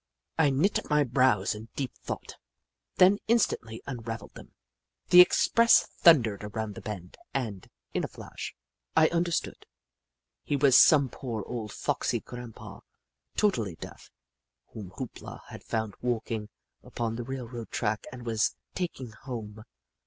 I knit my brows in deep thought, then instantly unravelled them. The express thun dered around the bend, and, in a flash, I under stood. He was some poor old foxy grandpa, totally deaf, whom Hoop La had found walking upon the railroad track and was taking home.